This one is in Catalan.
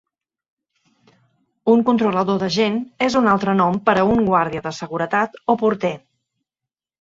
Un controlador de gent és un altre nom per a un guàrdia de seguretat o porter.